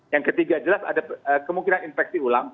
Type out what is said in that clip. yang ketiga jelas ada kemungkinan infeksi ulang